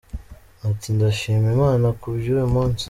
Ati “Ndashima Imana ku bw’uyu munsi.